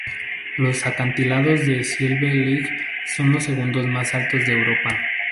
Los acantilados de Slieve League son los segundos más altos de Europa.